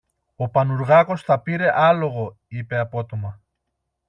Ο Πανουργάκος θα πήρε άλογο, είπε απότομα.